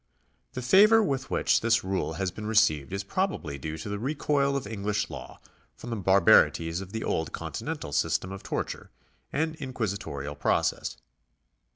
The favour with which this rule has been received is probably due to the recoil of English law from the barbarities of the old Continental system of torture and inquisitorial process.